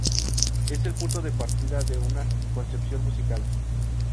Ese el punto de partida de una concepción musical.